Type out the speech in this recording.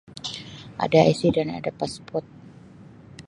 Ada IC dan ada pasport.